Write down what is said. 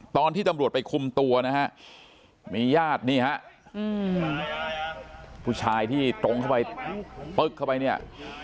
ตอนที่ตำรวจไปคุมตัวนะฮะมีญาตินี่ฮะผู้ชายที่ตรงเข้าไปปึ๊กเข้าไปเนี่ย